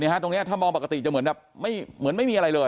เนี้ยฮะตรงเนี้ยถ้ามองปกติจะเหมือนแบบไม่เหมือนไม่มีอะไรเลย